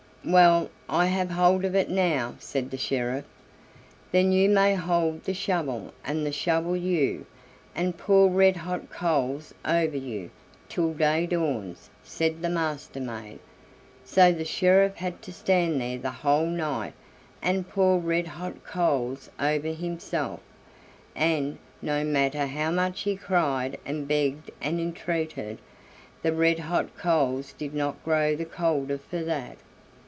"Well, I have hold of it now," said the sheriff. "Then you may hold the shovel, and the shovel you, and pour red hot coals over you, till day dawns," said the Master maid. So the sheriff had to stand there the whole night and pour red hot coals over himself, and, no matter how much he cried and begged and entreated, the red hot coals did not grow the colder for that.